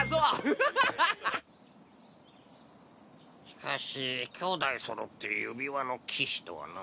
しかし兄弟そろって指輪の騎士とはな。